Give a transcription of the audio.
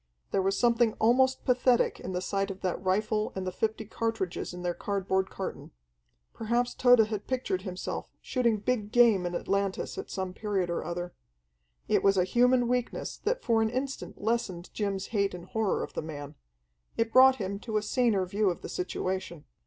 There was something almost pathetic in the sight of that rifle and the fifty cartridges in their cardboard carton. Perhaps Tode had pictured himself shooting big game in Atlantis at some period or other. It was a human weakness that for an instant lessened Jim's hate and horror of the man. It brought him to a saner view of the situation.